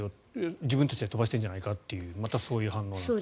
自分たちで飛ばしてるんじゃないかというまたそういう反応という。